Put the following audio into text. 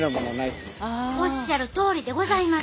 おっしゃるとおりでございます。